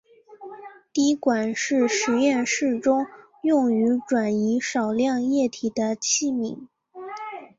滴管是实验室中用于转移少量液体的器皿。